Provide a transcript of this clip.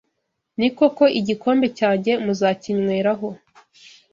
Ni koko igikombe cyanjye muzakinyweraho,